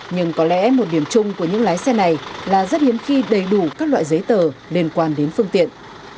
nhưng có lẽ một điểm chung của những lái xe này là rất hiếm khi đầy đủ các loại giấy tờ liên quan đến phương tiện